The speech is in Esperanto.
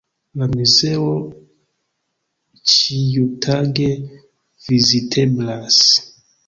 La muzeo ĉiutage viziteblas.